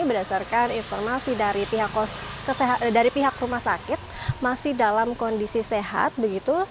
berdasarkan informasi dari pihak rumah sakit masih dalam kondisi sehat begitu